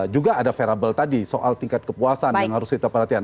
juga ada variable tadi soal tingkat kepuasan yang harus kita perhatikan